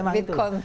ya memang itu